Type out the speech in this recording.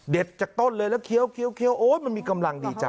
จากต้นเลยแล้วเคี้ยวโอ๊ยมันมีกำลังดีจ้